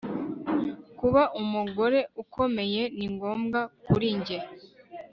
kuba umugore ukomeye ni ngombwa kuri njye